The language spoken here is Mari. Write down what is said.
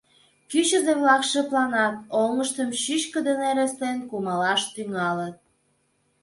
Кӱчызӧ-влак шыпланат, оҥыштым чӱчкыдын ыреслен, кумалаш тӱҥалыт.